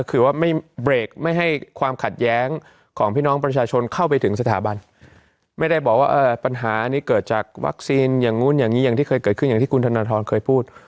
คือว่าไม่เบรกไม่ให้ความขัดแย้งของพี่น้องประชาชนเข้าไปถึงสถาบันไม่ได้บอกว่าปัญหานี้เกิดจากวัคซีนอย่างนู้นอย่างนี้อย่างที่เคยเกิดขึ้นอย่างที่คุณธนทรเคยพูด